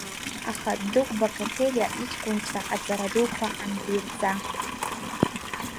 Аха Дыгә Багаҭелиа иҷкәынцәа аҵара дуқәа андирҵа.